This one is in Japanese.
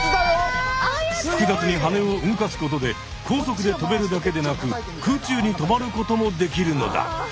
複雑にはねを動かすことで高速で飛べるだけでなく空中にとまることもできるのだ。